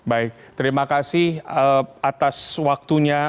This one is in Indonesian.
baik terima kasih atas waktunya